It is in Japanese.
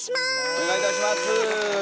お願いいたします。